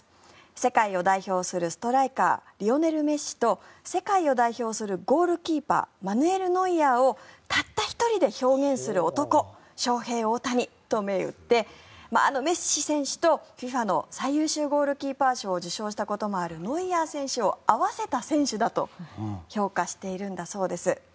世界を代表するストライカーリオネル・メッシと世界を代表するゴールキーパーマヌエル・ノイアーをたった１人で表現する男ショウヘイ・オオタニと銘打ってあのメッシ選手とＦＩＦＡの最優秀ゴールキーパー賞も受賞したことがあるノイアー選手を合わせた選手だと評価しているんだそうです。